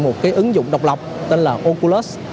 một cái ứng dụng độc lọc tên là oculus